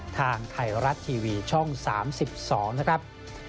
ทางไทยรัฐทีวีช่อง๓๒นะครับ